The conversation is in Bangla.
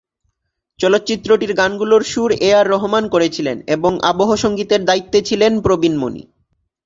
চলচ্চিত্রটির গানগুলোর সুর এ আর রহমান করেছিলেন এবং আবহ সঙ্গীতের দায়িত্ব ছিলেন প্রবীণ মণি।